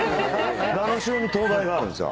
後ろに灯台があるんですよ。